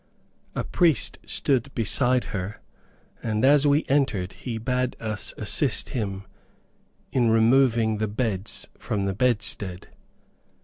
A priest stood beside her, and as we entered he bade us assist him in removing the beds from the bedstead.